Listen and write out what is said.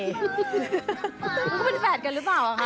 ก็เป็นแฝดกันหรือเปล่าคะ